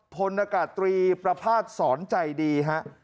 พลอากาศตรีประภาษณ์สอนใจดีฮะ